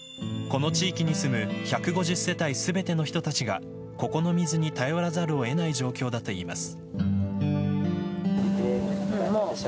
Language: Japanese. この地域に住む１５０世帯全ての人たちがここの水に頼らざるを得ない状況だといいます。